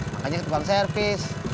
makanya kutukang servis